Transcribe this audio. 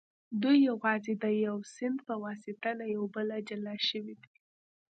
دوی یوازې د یوه سیند په واسطه له یو بله جلا شوي دي